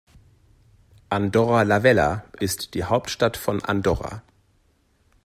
Andorra la Vella ist die Hauptstadt von Andorra.